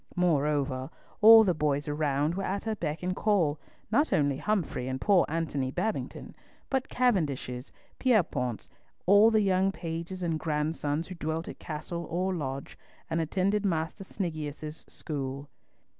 Moreover, all the boys around were at her beck and call, not only Humfrey and poor Antony Babington, but Cavendishes, Pierrepoints, all the young pages and grandsons who dwelt at castle or lodge, and attended Master Sniggius's school.